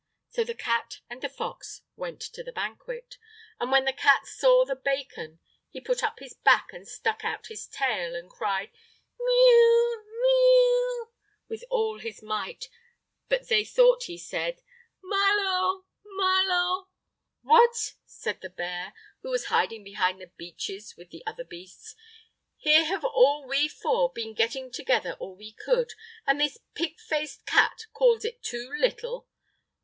So the cat and the fox went to the banquet, and when the cat saw the bacon, he put up his back and stuck out his tail and cried: "Mee oo, mee oo!" with all his might. But they thought he said: "Ma lo, ma lo!" Footnote 4: What a little! what a little! "What!" said the bear, who was hiding behind the beeches with the other beasts, "here have all we four been getting together all we could, and this pig faced cat calls it too little!